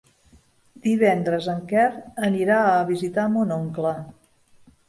Divendres en Quer anirà a visitar mon oncle.